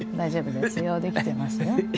できてますよ。